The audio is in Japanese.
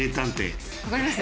わかります？